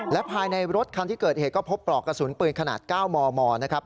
และภายในรถคันที่เกิดเหตุก็พบปลอกกระสุนปืนขนาด๙มมนะครับ